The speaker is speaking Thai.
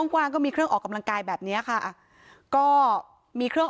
กว้างก็มีเครื่องออกกำลังกายแบบเนี้ยค่ะก็มีเครื่องออก